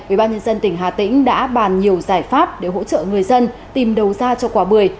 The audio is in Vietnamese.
ubnd tỉnh hà tĩnh đã bàn nhiều giải pháp để hỗ trợ người dân tìm đầu ra cho quả bưởi